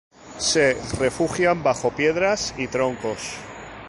Se refugian bajo piedras y troncos.